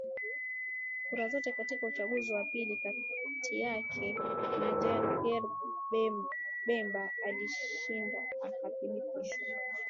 kura zote Katika uchaguzi wa pili kati yake na JeanPierre Bemba alishinda akathibitishwa